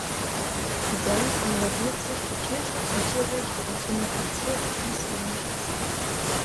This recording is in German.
Die Band engagiert sich für Tierschutz und Tierrechte und thematisiert dies in ihren Texten.